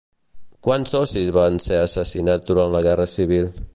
Quants socis van ser assassinats durant la guerra civil?